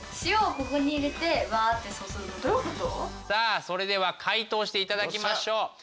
さあそれでは解答していただきましょう。